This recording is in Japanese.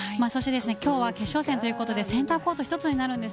今日は決勝戦ということでセンターコートになるんです。